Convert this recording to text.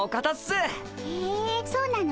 へえそうなの？